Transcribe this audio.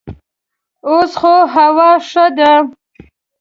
اوس خو هوا ښه ده.